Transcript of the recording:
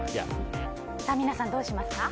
皆さんどうしますか？